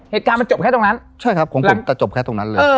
เหตุการณ์มันจบแค่ตรงนั้นใช่ครับของผมแต่จบแค่ตรงนั้นเลย